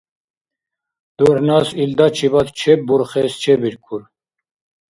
ДурхӀнас илдачибад чеббурхес чебиркур.